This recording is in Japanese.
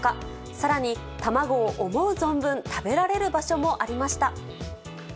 さらに、卵を思う存分食べられる場所もありました。